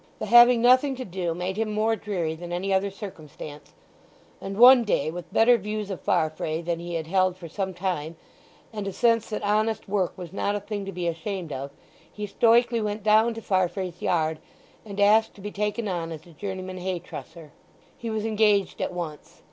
The having nothing to do made him more dreary than any other circumstance; and one day, with better views of Farfrae than he had held for some time, and a sense that honest work was not a thing to be ashamed of, he stoically went down to Farfrae's yard and asked to be taken on as a journeyman hay trusser. He was engaged at once.